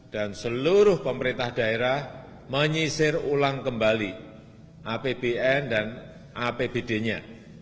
dan seluruh pemerintah daerah menyisir ulang kembali apbn dan apbd nya